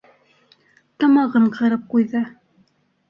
Тамағын ҡырып ҡуйҙы: